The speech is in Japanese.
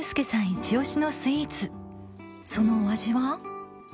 イチ押しのスイーツそのお味は？